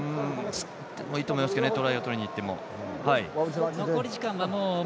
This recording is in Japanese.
いいと思いますけどねトライを取りにいっても。